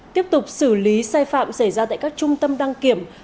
tiếp tục xử lý sai phạm xảy ra tại các trung tâm đăng kiểm